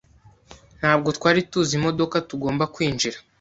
Ntabwo twari tuzi imodoka tugomba kwinjira.